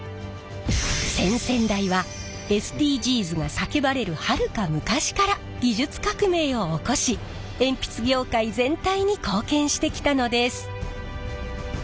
先々代はＳＤＧｓが叫ばれるはるか昔から技術革命を起こし鉛筆業界全体に貢献してきたのです。